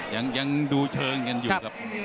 ยังดูเชิงกันอยู่ครับ